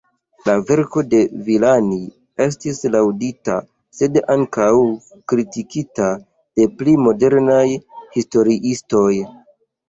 La verko de Villani estis laŭdita, sed ankaŭ kritikita de pli modernaj historiistoj.